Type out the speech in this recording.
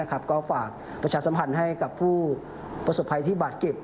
ก็ฝากประชาสัมพันธ์ให้กับผู้ประสบภัยที่บาดเจ็บ